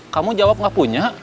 kamu jawab gak punya